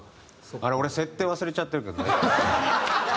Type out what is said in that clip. あれ俺設定忘れちゃってるけど大丈夫？